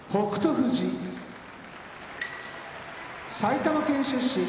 富士埼玉県出身